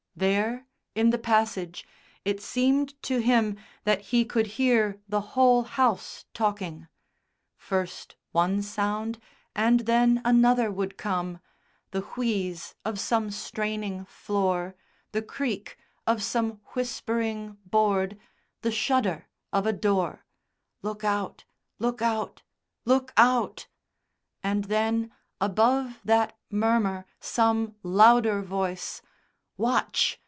There, in the passage, it seemed to him that he could hear the whole house talking first one sound and then another would come, the wheeze of some straining floor, the creak of some whispering board, the shudder of a door. "Look out! Look out! Look out!" and then, above that murmur, some louder voice: "Watch!